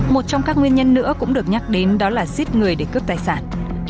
một trong các nguyên nhân nữa cũng được nhắc đến đó là giết người để cướp tài sản